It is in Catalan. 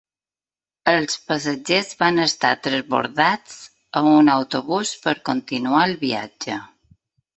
Els passatgers van estar transbordats a un autobús per continuar el viatge.